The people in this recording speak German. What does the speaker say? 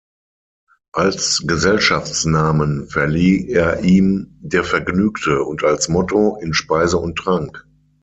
Als Gesellschaftsnamen verlieh er ihm "der Vergnügte" und als Motto "in Speise und Trank".